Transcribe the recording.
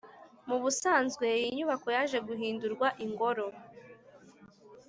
Mu busanzwe, iyi nyubako yaje guhindurwa ingoro